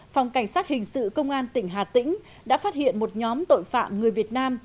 phòng cảnh sát hình sự công an tỉnh hà tĩnh đã phát hiện một nhóm tội phạm người việt nam